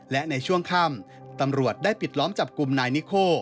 และในช่วงค่ำตำรวจได้ปิดล้อมจับกลุ่มนายนิโค